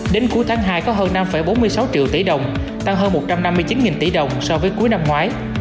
đến cuối tháng hai có hơn năm bốn mươi sáu triệu tỷ đồng tăng hơn một trăm năm mươi chín tỷ đồng so với cuối năm ngoái